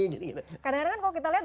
kadang kadang kan kalau kita lihat